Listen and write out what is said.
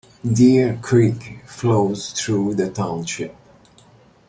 Deer Creek flows through the township.